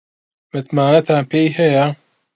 متمانەتان پێی هەیە؟